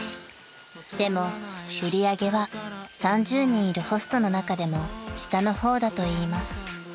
［でも売り上げは３０人いるホストの中でも下の方だといいます］